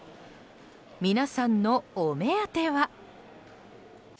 皆さんのお目当ては。